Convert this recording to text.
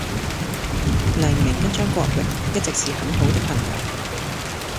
黎明跟張國榮一直是很好的朋友。